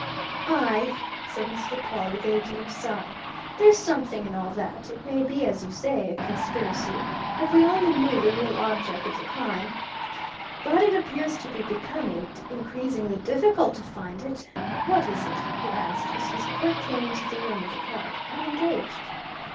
"Aye!" said Mr. Pawle, with a deep sigh. "There's something in all that. It may be as you say a conspiracy. If we only knew the real object of the crime! But it appears to be becoming increasingly difficult to find it.... What is it?" he asked, as his clerk came into the room with a card. "I'm engaged."